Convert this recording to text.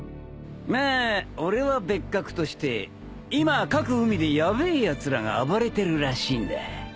まあ俺は別格として今各海でヤベえやつらが暴れてるらしいんだ。